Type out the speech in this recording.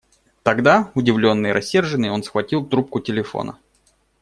Тогда, удивленный и рассерженный, он схватил трубку телефона.